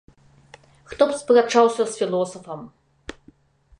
Хто б спрачаўся з філосафам!